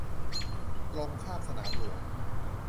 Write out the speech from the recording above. ตรงข้ามสนามหลวง